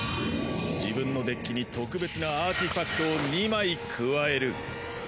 自分のデッキに特別なアーティファクトを２枚加える。